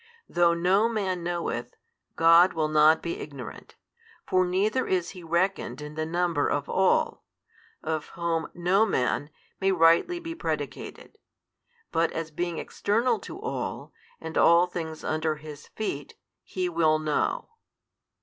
Though no man knoweth, God will not be ignorant, for neither is He reckoned in the number of all, of whom "No man" may rightly be predicated, but as being external to all, and all things under His Feet, He will know.